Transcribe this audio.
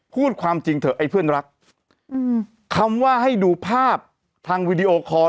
พูดความจริงเถอะไอ้เพื่อนรักอืมคำว่าให้ดูภาพทางวีดีโอคอร์